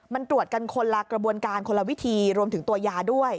มันตรวจกันคนละกระบวนการคนละวิธีรวมถึงตัวยาด้วย